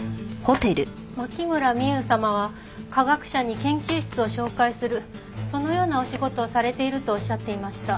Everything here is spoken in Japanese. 牧村美優様は科学者に研究室を紹介するそのようなお仕事をされているとおっしゃっていました。